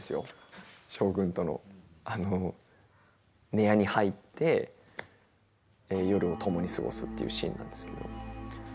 ねやに入って夜をともに過ごすっていうシーンなんですけど。